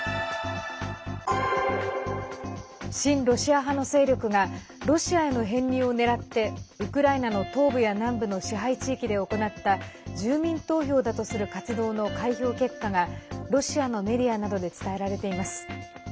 親ロシア派の勢力がロシアへの編入を狙ってウクライナの東部や南部の支配地域で行った住民投票だとする活動の開票結果がロシアのメディアなどで伝えられています。